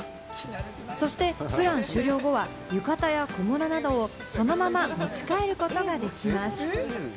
そしてプラン終了後は浴衣や小物などをそのまま持ち帰ることができます。